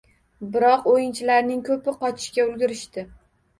Biroq o`yinchilarning ko`pi qochishga ulgurishdi